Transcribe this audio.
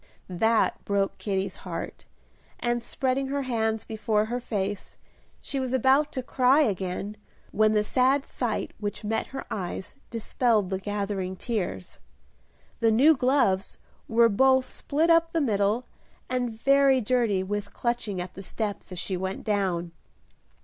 That broke Kitty's heart; and, spreading her hands before her face, she was about to cry again, when the sad sight which met her eyes dispelled the gathering tears. The new gloves were both split up the middle and very dirty with clutching at the steps as she went down.